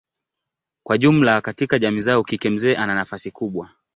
Kwa jumla katika jamii zao kike mzee ana nafasi kubwa.